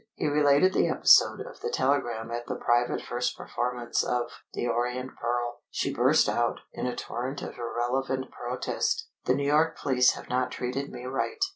He related the episode of the telegram at the private first performance of "The Orient Pearl." She burst out, in a torrent of irrelevant protest: "The New York police have not treated me right.